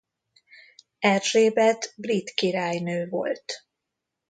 Erzsébet brit királynő volt.